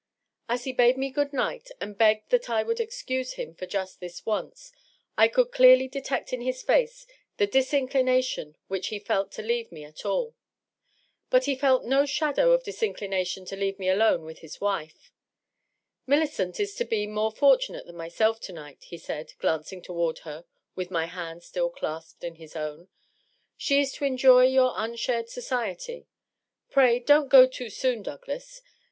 As he bade me good night and begged tihat I would excuse him for just this once, I could clearly detect in his face the dis inclination whicm he felt to leave me at all. But he felt no shadow of disinclination to leave me alone with his wife. ^^ Millicent is to be more fortunate than myself, to night," he said, glancing toward her with my hand still clasped in his own. " She is to enjoy your unshared society. .. Pray don't go too soon, Douglas.